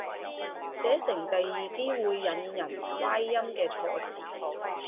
寫成第二啲會引人歪音嘅錯字